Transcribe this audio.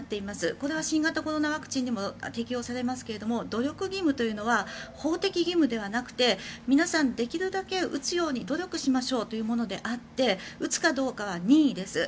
これは新型コロナワクチンでも適用されますが努力義務というのは法的義務ではなくて皆さんできるだけ打つように努力しましょうというものであって打つかどうかは任意です。